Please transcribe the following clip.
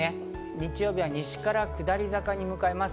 日曜日は西から下り坂に向かいます。